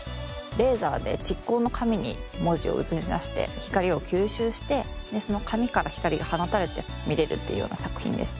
レーザーで蓄光の紙に文字を映し出して光を吸収してその紙から光が放たれて見れるっていうような作品です。